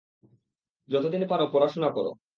যতদিন পারো পড়াশোনা করো।